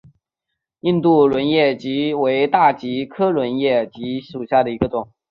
印度轮叶戟为大戟科轮叶戟属下的一个种。